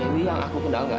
dewi yang aku kenal gak